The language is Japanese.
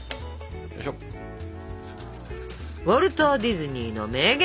ウォルト・ディズニーの名言！